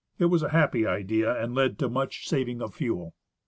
It was a happy idea, and led to much saving of fuel.